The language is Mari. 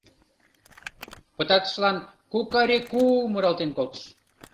Пытартышлан ку-ка-ре-ку муралтен колтыш.